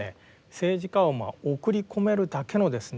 政治家をまあ送り込めるだけのですね